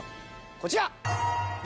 こちら！